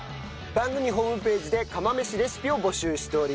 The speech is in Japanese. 番組ホームページで釜飯レシピを募集しております。